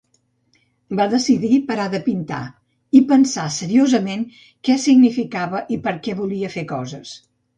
Va decidir parar de pintar i pensar seriosament que significava, i perquè volia fer coses.